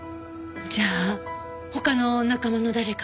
じゃあ他の仲間の誰かが？